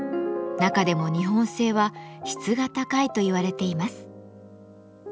中でも日本製は質が高いといわれています。